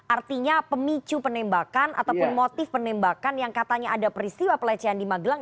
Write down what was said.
artinya pemicu penembakan ataupun motif penembakan yang katanya ada peristiwa pelecehan di magelang